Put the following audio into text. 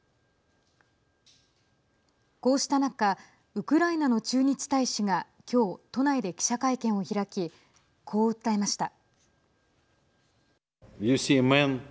こうした中ウクライナの駐日大使がきょう、都内で記者会見を開きこう訴えました。